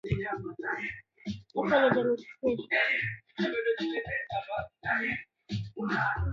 kwa sasa ni wakati muafaka wa kuongeza misaada zaidi nchini za jirani